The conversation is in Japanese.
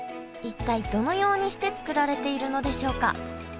一体どのようにして作られているのでしょうか。